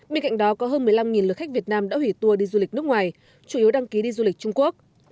bên cạnh đó có hơn một mươi năm lượt khách việt nam đã hủy tour đi du lịch nước ngoài chủ yếu đăng ký đi du lịch trung quốc